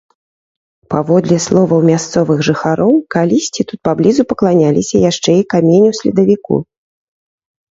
Паводле словаў мясцовых жыхароў, калісьці тут паблізу пакланяліся яшчэ і каменю-следавіку.